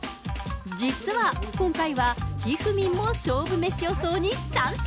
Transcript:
実は今回はひふみんも勝負メシ予想に参戦。